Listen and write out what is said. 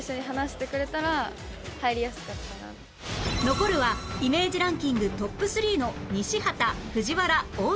残るはイメージランキングトップ３の西畑藤原大西